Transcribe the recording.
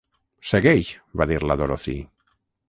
"Segueix", va dir la Dorothy.